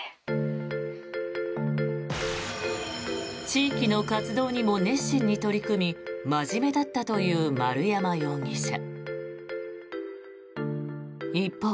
地域の活動にも熱心に取り組み真面目だったという丸山容疑者。